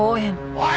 おい！